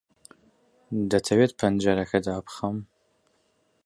دەتەوێت پەنجەرەکە دابخەم؟